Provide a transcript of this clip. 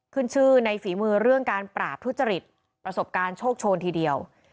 ขึ้นชื่อในฝีมือเรื่องการปราบทุจริตประสบการณ์โชคโชนทีเดียว